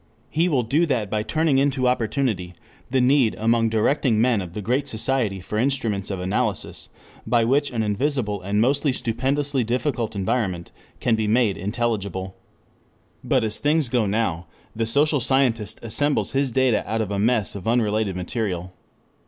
He will do that by turning into opportunity the need among directing men of the Great Society for instruments of analysis by which an invisible and made intelligible. But as things go now, the social scientist assembles his data out of a mass of unrelated material.